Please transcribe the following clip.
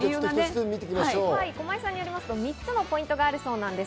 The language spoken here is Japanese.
駒井さんによりますと、３つのポイントがあるそうなんです。